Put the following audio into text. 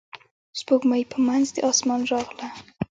سپوږمۍ په منځ د اسمان راغله.